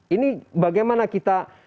ini bagaimana kita